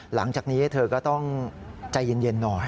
หลังจากนี้เธอก็ต้องใจเย็นหน่อย